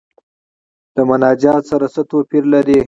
له مناجات سره څه توپیر لري.